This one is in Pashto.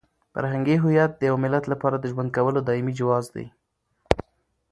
فرهنګي هویت د یو ملت لپاره د ژوند کولو دایمي جواز دی.